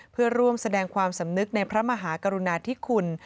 เพื่อร่วมแสดงความสำนึกในพระมหากรุณาธิคุณ